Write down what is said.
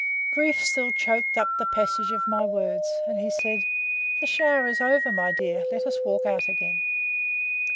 Grief still choaked up the passage of my words; and he said, The shower is over, my dear: let us walk out again.